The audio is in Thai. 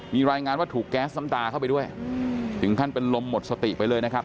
มีรายงานว่าถูกแก๊สน้ำตาเข้าไปด้วยถึงขั้นเป็นลมหมดสติไปเลยนะครับ